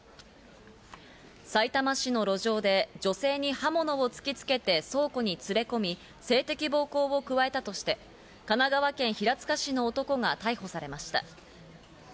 さいたま市の路上で、女性に刃物を突きつけて倉庫に連れ込み、性的暴行を加えたとして神奈川県平塚市の男が逮捕されました。